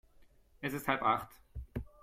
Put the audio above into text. Es ist halb Acht.